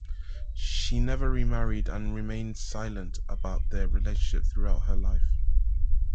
She never remarried, and remained silent about their relationship throughout her life.